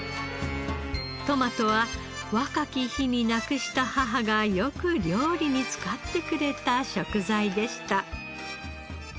トマトは若き日に亡くした母がよく料理に使ってくれた食材でした。